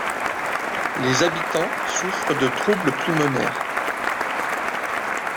Les habitants souffrent de troubles pulmonaires.